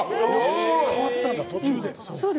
変わったんだ途中で。